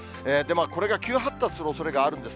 これが急発達するおそれがあるんです。